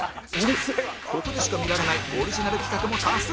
ここでしか見られないオリジナル企画も多数